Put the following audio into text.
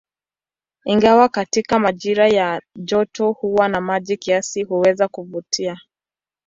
Ingawa katika majira ya joto huwa na maji kiasi, huweza kuvutia.